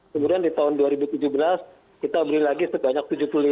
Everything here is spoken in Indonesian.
kemudian di tahun dua ribu tujuh belas kita beli lagi sebanyak tujuh puluh lima